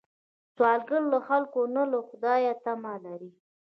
سوالګر له خلکو نه، له خدایه تمه لري